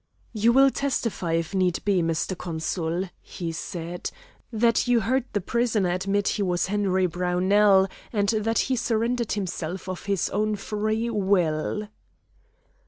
"You will testify, if need be, Mr. Consul," he said, "that you heard the prisoner admit he was Henry Brownell and that he surrendered himself of his own free will?"